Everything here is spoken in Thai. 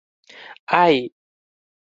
ไอ้